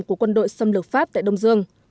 của quân đội xâm lược pháp tại đông dương